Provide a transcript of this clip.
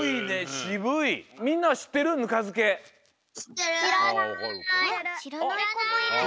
しらないこもいる。